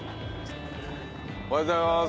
おはようございます。